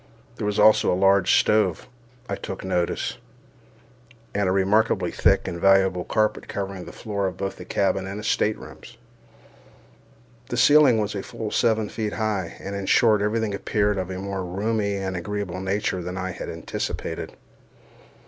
There was also a large stove, I took notice, and a remarkably thick and valuable carpet covering the floor of both the cabin and staterooms. The ceiling was full seven feet high, and, in short, every thing appeared of a more roomy and agreeable nature than I had anticipated.